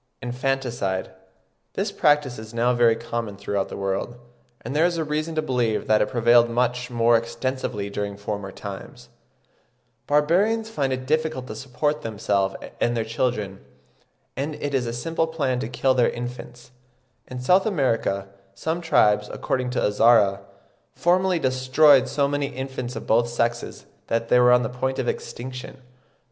INFANTICIDE. This practice is now very common throughout the world, and there is reason to believe that it prevailed much more extensively during former times. (12. Mr. M'Lennan, 'Primitive Marriage,' 1865. See especially on exogamy and infanticide, pp. 130, 138, 165.) Barbarians find it difficult to support themselves and their children, and it is a simple plan to kill their infants. In South America some tribes, according to Azara, formerly destroyed so many infants of both sexes that they were on the point of extinction.